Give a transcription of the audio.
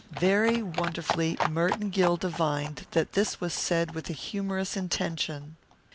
Very wonderfully Merton Gill divined that this was said with a humorous intention.